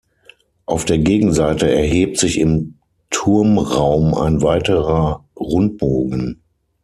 Auf der Gegenseite erhebt sich im Turmraum ein weiterer Rundbogen.